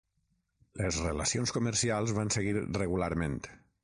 Les relacions comercials van seguir regularment.